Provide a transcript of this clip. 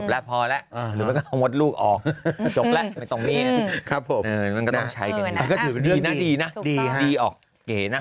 ครับผมมันก็ต้องใช้กันดีนะดีดีออกเก๋นะ